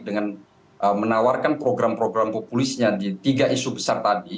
dengan menawarkan program program populisnya di tiga isu besar tadi